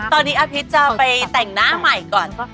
ตอนนี้อาพิษจะไปแต่งหน้าใหม่ก่อน